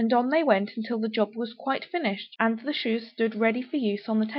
On they went until the job was quite finished and the shoes stood ready for use upon the table.